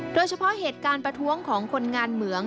โดยเฉพาะเหตุการณ์ประท้วงของคนงานเหมือง